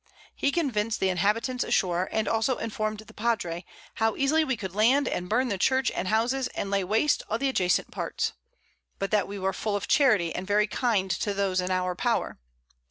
He convinc'd the Inhabitants ashore, and also inform'd the Padre, how easily we could land, and burn the Church and Houses, and lay waste all the adjacent Parts; but that we were full of Charity, and very kind to those in our Power.